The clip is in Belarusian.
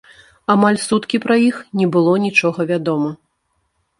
Амаль суткі пра іх не было нічога вядома.